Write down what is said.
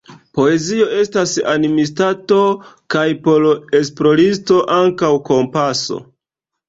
Poezio estas animstato – kaj, por esploristo, ankaŭ kompaso.